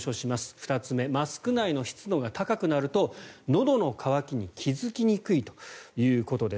２つ目マスク内の湿度が高くなるとのどの渇きに気付きにくいということです。